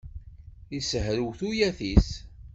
Issehrew tuyat-is.